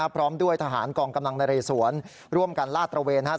พร้อมด้วยทหารกลางกำลังใดเลยสวนรวมการลาดตะเวนฮะ